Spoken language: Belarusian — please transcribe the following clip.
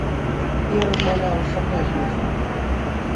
Я размаўляў са многімі з іх.